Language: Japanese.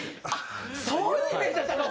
そういうイメージやったんか！